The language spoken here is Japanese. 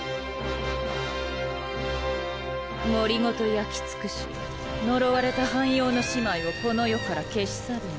森ごと焼きつくし呪われた半妖の姉妹をこの世から消し去るの。